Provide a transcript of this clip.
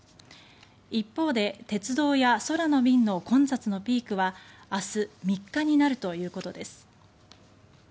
一方で、鉄道や空の便の混雑のピークは明日３日になるということです。